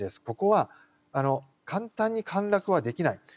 ここは簡単に陥落はできない。